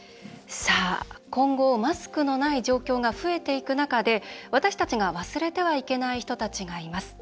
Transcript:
今後、マスクのない状況が増えていく中で、私たちが忘れてはいけない人たちがいます。